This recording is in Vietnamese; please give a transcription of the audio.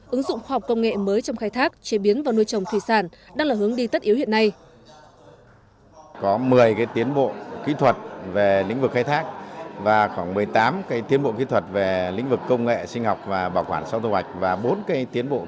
ứng dụng khoa học công nghệ mới trong khai thác chế biến và nuôi trồng thủy sản đang là hướng đi tất yếu hiện nay